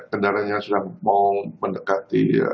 kendaraan yang sudah mau mendekati